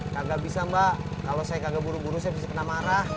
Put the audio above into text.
nggak bisa mbak kalau saya kagak buru buru saya bisa kena marah